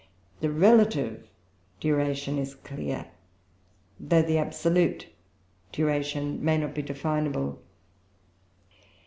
The relative duration is clear, though the absolute duration may not be definable.